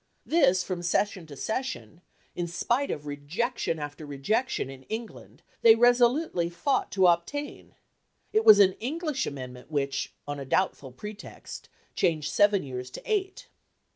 This from session to session, in spite of rejection after rejection in England, they resolutely fought to obtain. It was an English amendment which, on a doubtful pretext; changed seven years to eight.